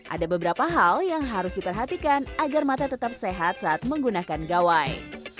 ada beberapa hal yang harus diperhatikan agar mata tetap sehat saat menggunakan gawai